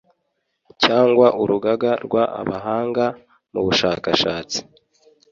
cyangwa Urugaga rw abahanga mubushakashatsi